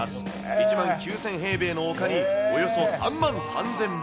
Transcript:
１万９０００平米の丘におよそ３万３０００本。